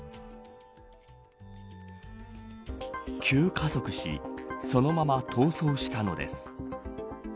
急加速しそのまま逃走したのです。